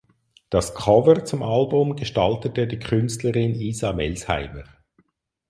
Das Cover zum Album gestaltete die Künstlerin Isa Melsheimer.